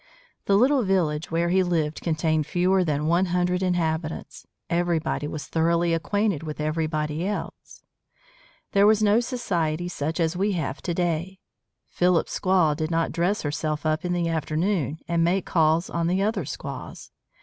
The little village where he lived contained fewer than one hundred inhabitants. Everybody was thoroughly acquainted with everybody else. There was no society such as we have to day. Philip's squaw did not dress herself up in the afternoon, and make calls on the other squaws.